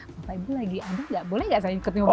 bapak ibu lagi ada nggak boleh nggak saya ikut nyobain